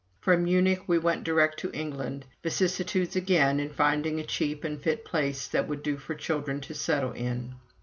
From Munich we went direct to England. Vicissitudes again in finding a cheap and fit place that would do for children to settle in.